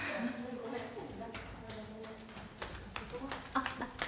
あっ。